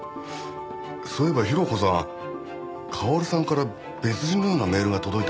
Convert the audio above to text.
そういえば裕子さん薫さんから別人のようなメールが届いたって言ってましたけど。